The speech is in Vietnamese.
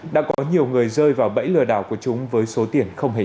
đã có nhiều người rơi vào bẫy lừa đảo của chúng với số tiền không hề